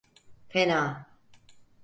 Fena!